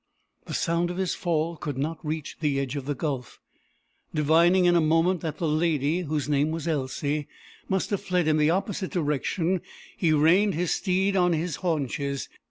The sound of his fall could not reach the edge of the gulf. Divining in a moment that the lady, whose name was Elsie, must have fled in the opposite direction, he reined his steed on his haunches.